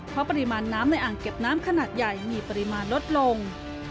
เพราะปริมาณน้ำในอ่างเก็บน้ำขนาดใหญ่มีปริมาณลดลง